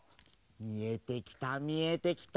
みえてきたみえてきた！